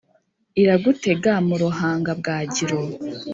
iragutega mu ruhanga bwagiro,